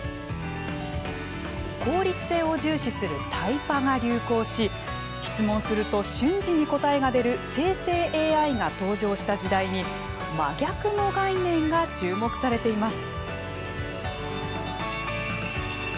効率性を重視するタイパが流行し質問すると、瞬時に答えが出る生成ＡＩが登場した時代に真逆の概念が、注目されています。